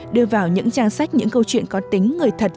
đưa vào những trang sách những câu chuyện có tính người thật